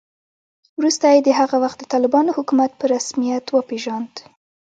وروسته یې د هغه وخت د طالبانو حکومت په رسمیت وپېژاند